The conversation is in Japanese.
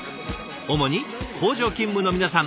主に工場勤務の皆さん。